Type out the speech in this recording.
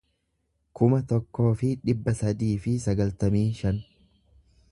kuma tokkoo fi dhibba sadii fi sagaltamii shan